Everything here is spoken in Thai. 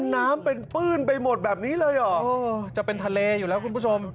น้ำเป็นปื้นไปหมดแบบนี้เลยเหรอจะเป็นทะเลอยู่แล้วคุณผู้ชม